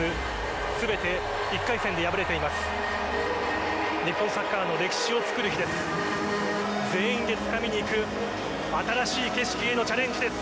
全て１回戦で敗れています。